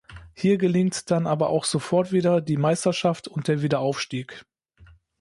Hier gelingt dann aber auch sofort wieder die Meisterschaft und der Wiederaufstieg.